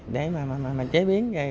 để mà chế biến